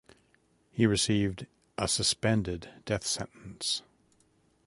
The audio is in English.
He received a suspended death sentence.